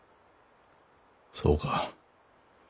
そうか。